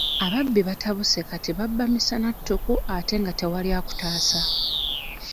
Ababbi batabuse kati babba misana ttuku ate nga tewali akutaasa.